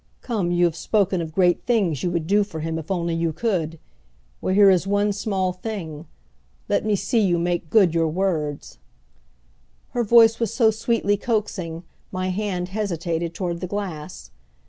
Come, you have spoken of great things you would do for him if only you could. Well, here is one small thing. Let me see you make good your words!" Her voice was so sweetly coaxing my hand hesitated toward the glass.